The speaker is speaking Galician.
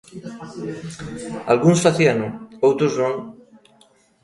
Algúns facíano, outros non.